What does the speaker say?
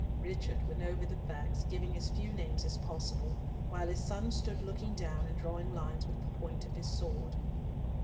Richard went over the facts, giving as few names as possible, while his son stood looking down and drawing lines with the point of his sword.